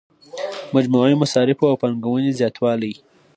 مجموعي مصارفو او پانګونې زیاتوالی.